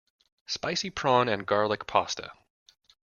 Spicy prawn and garlic pasta.